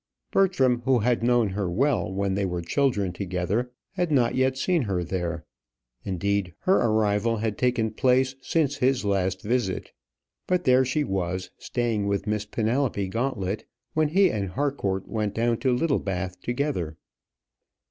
Bertram, who had known her well when they were children together, had not yet seen her there; indeed, her arrival had taken place since his last visit; but there she was, staying with Miss Penelope Gauntlet, when he and Harcourt went down to Littlebath together.